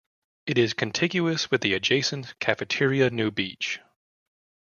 It is contiguous with the adjacent Cafeteria New Beach.